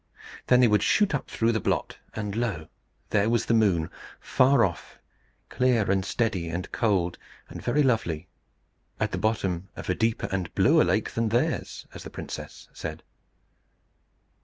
Then they would shoot up through the blot; and lo! there was the moon, far off, clear and steady and cold, and very lovely, at the bottom of a deeper and bluer lake than theirs, as the princess said.